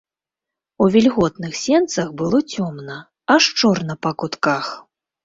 У вільготных сенцах было цёмна, аж чорна па кутках.